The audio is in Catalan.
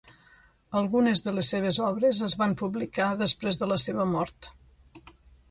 Algunes de les seves obres es van publicar després de la seva mort.